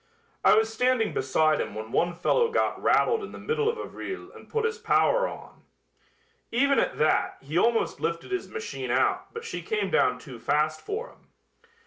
I was standing beside him when one fellow got rattled in the middle of a vrille and put his power on. Even at that he almost lifted his machine out but she came down too fast for him.